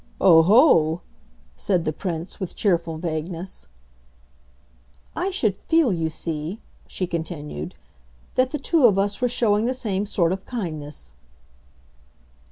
"Oho!" said the Prince with cheerful vagueness. "I should feel, you see," she continued, "that the two of us were showing the same sort of kindness."